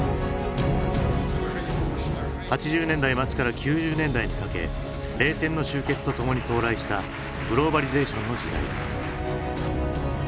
８０年代末から９０年代にかけ冷戦の終結とともに到来したグローバリゼーションの時代。